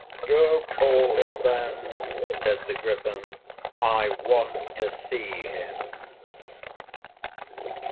"Go, call him, then!" said the Griffin; "I want to see him."